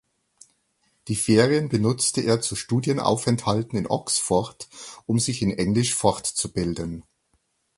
Die Ferien benutzte er zu Studienaufenthalten in Oxford um sich in Englisch fortzubilden.